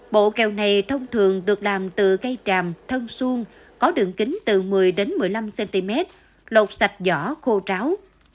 bộ kèo này thông thường được làm từ cây tràm thân xuông có đường kính từ một mươi một mươi năm cm lột sạch giỏ khô tráo